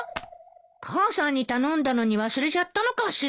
母さんに頼んだのに忘れちゃったのかしら？